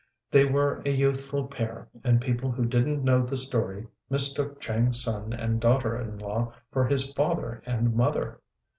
They were a youthful pair, and people who didn't know the story mistook Chang's son and daughter in law for his father and mother.